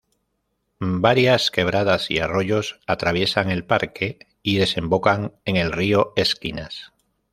Varias quebradas y arroyos atraviesan el parque y desembocan en el río Esquinas.